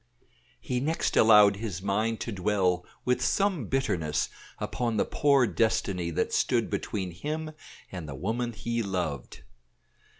He next allowed his mind to dwell with some bitterness upon the poor destiny that stood between him and the woman he loved.